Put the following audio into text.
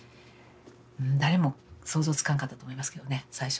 誰も想像つかんかったと思いますけどね最初は。